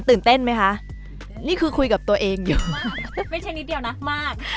ตื่นเต้นไหมคะนี่คือคุยกับตัวเองอยู่มากไม่ใช่นิดเดียวนะมาก